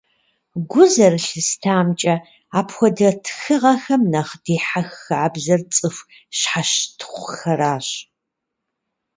Гу зэрылъыстамкӀэ, апхуэдэ тхыгъэхэм нэхъ дихьэх хабзэр цӀыху щхьэщытхъухэрщ.